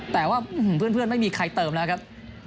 แต่ว่าเพื่อนไม่มีใครเติมแล้วครับ